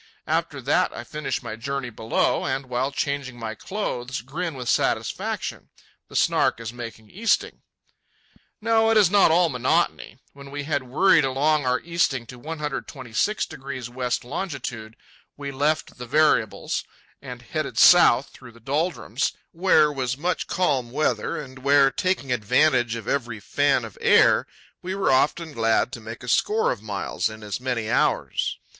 After that I finish my journey below, and while changing my clothes grin with satisfaction—the Snark is making easting. No, it is not all monotony. When we had worried along our easting to 126° west longitude, we left the variables and headed south through the doldrums, where was much calm weather and where, taking advantage of every fan of air, we were often glad to make a score of miles in as many hours.